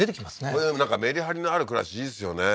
こういうメリハリのある暮らしいいですよね